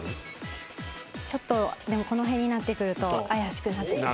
ちょっとこの辺になってくると怪しくなってきます。